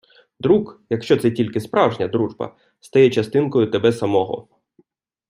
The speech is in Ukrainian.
Друг — якщо це тільки справжня дружба -— стає частинкою тебе самого.